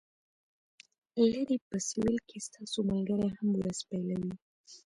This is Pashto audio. لرې په سویل کې ستاسو ملګري هم ورځ پیلوي